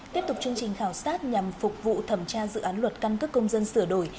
tiếp tục chương trình khảo sát nhằm phục vụ thẩm tra dự án luật căn cước công dân sửa đổi